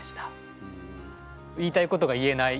言いたいことが言えない